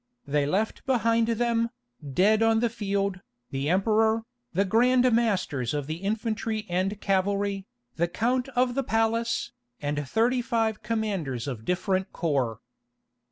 They left behind them, dead on the field, the Emperor, the Grand Masters of the Infantry and Cavalry, the Count of the Palace, and thirty five commanders of different corps.